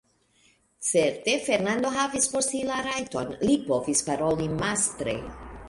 Certe Fernando havis por si la rajton: li povis paroli mastre.